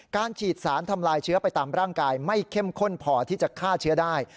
การฉีดสารทำลายเชื้อไปตามร่างกายไม่เข้มข้นพอที่จะฆ่าเชื้อได้